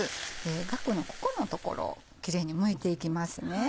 ガクのここの所をキレイにむいていきますね。